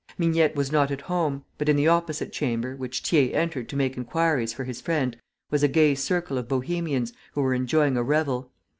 Mignet was not at home; but in the opposite chamber, which Thiers entered to make inquiries for his friend, was a gay circle of Bohemians, who were enjoying a revel.